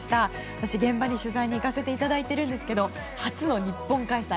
私、現場に取材に行かせていただいているんですが初の日本開催。